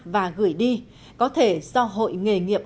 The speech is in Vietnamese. và gửi đi có thể do hội nghề nghiệp